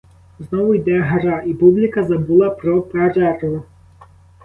Знову йде гра, і публіка забула про перерву.